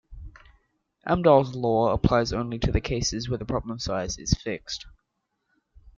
Amdahl's law applies only to the cases where the problem size is fixed.